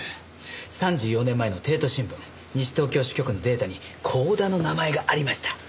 ３４年前の帝都新聞西東京支局のデータに光田の名前がありました。